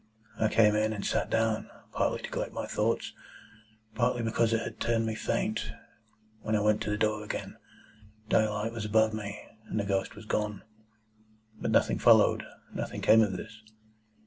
"I came in and sat down, partly to collect my thoughts, partly because it had turned me faint. When I went to the door again, daylight was above me, and the ghost was gone." "But nothing followed? Nothing came of this?"